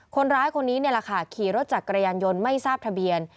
คนร้ายคนนี้นี่แหละค่ะขี่รถจักรยานยนต์ไม่ทราบทะเบียน